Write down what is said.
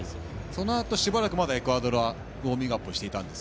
そのあとまだしばらくエクアドルはウォーミングアップしていました。